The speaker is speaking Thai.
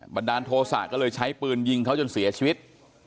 ดาลโทษะก็เลยใช้ปืนยิงเขาจนเสียชีวิต